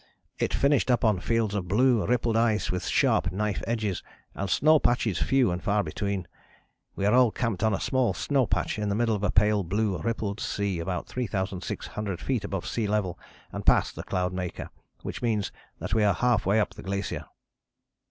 It finished up on fields of blue rippled ice with sharp knife edges, and snow patches few and far between. We are all camped on a small snow patch in the middle of a pale blue rippled sea, about 3600 feet above sea level and past the Cloudmaker, which means that we are half way up the Glacier."